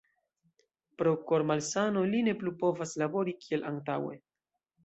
Pro kor-malsano li ne plu povas labori kiel antaŭe.